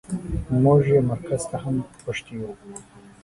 موږ يې مرکز ته هم غوښتي يو.